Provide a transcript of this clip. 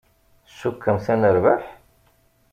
Tcukkemt ad nerbeḥ?